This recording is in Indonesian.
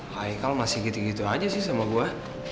haikal masih gitu gitu aja sih sama gue